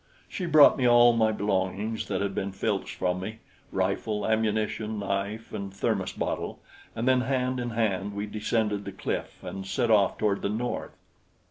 She brought me all my belongings that had been filched from me rifle, ammunition, knife, and thermos bottle, and then hand in hand we descended the cliff and set off toward the north.